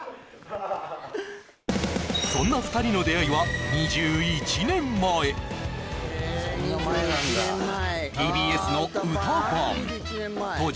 そんな２人の出会いは２１年前ＴＢＳの「うたばん」当時